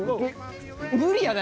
無理やな